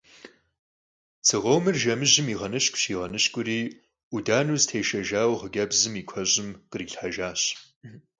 Tsı khomır jjemıjım yiğenışk'uş, yiğenışk'uri 'Udaneu zetêşşejjaue xhıcebzım yi kueş'ım khrilhhejjaş.